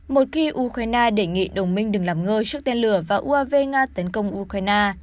một khi ukraine đề nghị đồng minh đừng làm ngơ trước tên lửa và uav nga tấn công ukraine